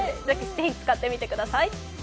ぜひ使ってみてください。